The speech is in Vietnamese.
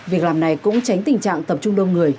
việc làm này cũng tránh tình trạng tập trung đông người